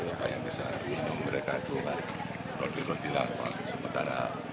lupa yang bisa minum mereka itu lodi lodi langsung sementara